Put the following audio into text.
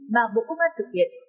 mà bộ công an thực hiện